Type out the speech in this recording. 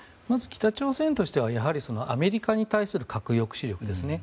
まず北朝鮮としてはアメリカに対する核抑止力です。